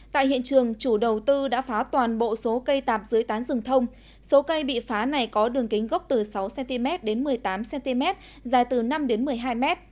tại hiện trường chủ đầu tư đã phá toàn bộ số cây tạp dưới tán rừng thông số cây bị phá này có đường kính gốc từ sáu cm đến một mươi tám cm dài từ năm một mươi hai m